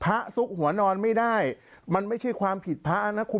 ซุกหัวนอนไม่ได้มันไม่ใช่ความผิดพระนะคุณ